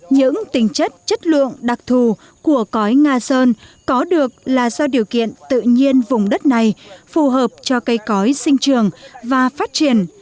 những tính chất chất lượng đặc thù của cói nga sơn có được là do điều kiện tự nhiên vùng đất này phù hợp cho cây cói sinh trường và phát triển